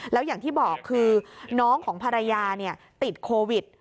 แล้วอย่างที่บอกคือน้องของภรรยาติดโควิด